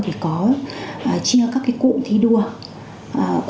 thì có chia các cụm thi đua